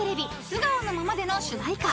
『素顔のままで』の主題歌］